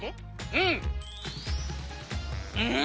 うん！